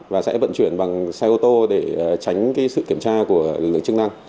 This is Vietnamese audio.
và sẽ vận chuyển bằng xe ô tô để tránh sự kiểm tra của lực lượng chức năng